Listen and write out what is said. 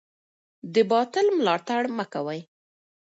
د باطل ملاتړ مه کوئ.